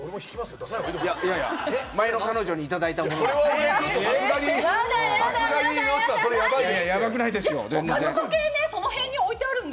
これ前の彼女にいただいたものなんです。